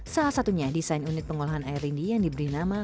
salah satunya desain unit pengolahan air rindi yang diberi nama